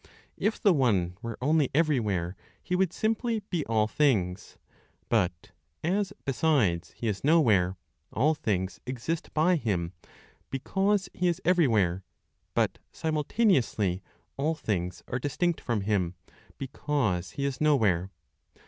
If the One were only everywhere, He would simply be all things; but, as, besides, He is nowhere, all things exist by Him, because He is everywhere; but simultaneously all things are distinct from Him, because He is nowhere.